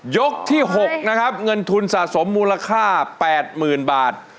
ยกที่๖นะครับเงินทุนสะสมมูลค่า๘๐๐๐บาท